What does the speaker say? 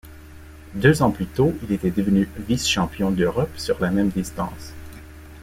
Deux ans plus tôt, il était devenu vice-champion d'Europe sur la même distance.